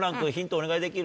お願いできる？